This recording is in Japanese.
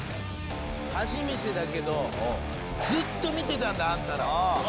初めてだけどずっと見てたんだあんたらを。